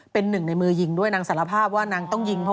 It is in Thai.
เป็นหนึ่งในมือยิงด้วยนางสารภาพว่านางต้องยิงเขา